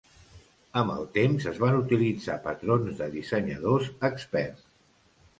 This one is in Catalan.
Amb el temps, es van utilitzar patrons de dissenyadors experts.